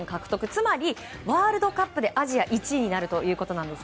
つまりワールドカップでアジア１位になるということです。